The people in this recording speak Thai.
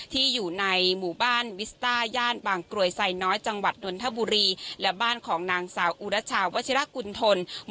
ที่อยู่ในหมู่บ้านวิสต้าย่านบางกรวยไซน้อยจังหวัดนนทบุรีและบ้านของนางสาวอุรัชชาวัชิรกุณฑล